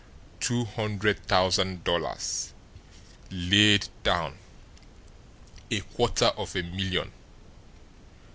Two hundred thousand dollars laid down, a quarter of a million!